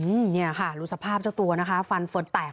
อื้อเนี่ยค่ะรู้สภาพเจ้าตัวนะคะฟันเฟิร์ดแตก